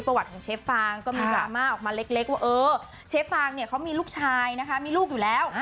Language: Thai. ประวัติของเชฟฟ่างมีดราม่าออกมาเล็กเขามีลูกชายแล้ว